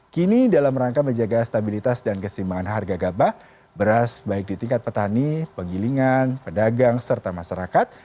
kini dalam rangka menjaga stabilitas dan kesimbangan harga gabah beras baik di tingkat petani penggilingan pedagang serta masyarakat